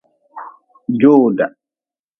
Jowda.